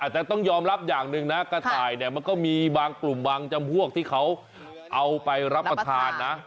แต่ต้องยอมรับอย่างหนึ่งนะกระต่ายเนี่ยมันก็มีบางกลุ่มบางจำพวกที่เขาเอาไปรับประทานนะ